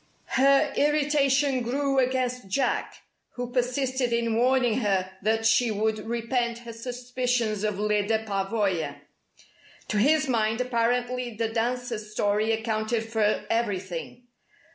Her irritation grew against Jack, who persisted in warning her that she would repent her suspicions of Lyda Pavoya. To his mind apparently the dancer's story accounted for everything.